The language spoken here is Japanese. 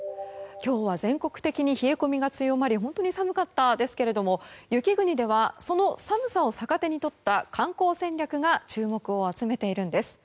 今日は全国的に冷え込みが強まり本当に寒かったですけれども雪国ではその寒さを逆手に取った観光戦略が注目を集めているんです。